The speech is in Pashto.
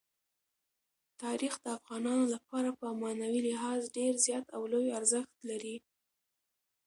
تاریخ د افغانانو لپاره په معنوي لحاظ ډېر زیات او لوی ارزښت لري.